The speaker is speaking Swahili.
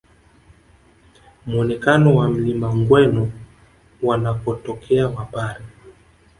Muonekano wa Mlima Ugweno wanakotokea wapare